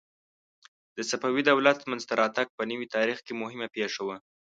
د صفوي دولت منځته راتګ په نوي تاریخ کې مهمه پېښه وه.